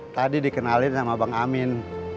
tadi dikenalin sama bang amin